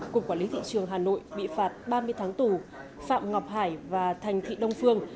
cục quản lý thị trường hà nội bị phạt ba mươi tháng tù phạm ngọc hải và thành thị đông phương